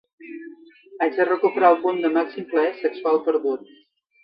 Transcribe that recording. Haig de recuperar el punt de màxim plaer sexual perdut.